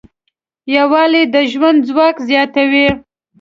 یووالی د ژوند ځواک زیاتوي.